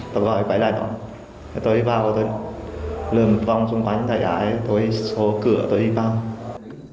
tôi sẽ đi vào tôi sẽ lưu vòng xung quanh tôi sẽ xốp cửa tôi sẽ đi vào